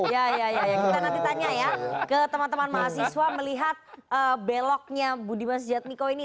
kita nanti tanya ya ke teman teman mahasiswa melihat beloknya budi mas jadmiko ini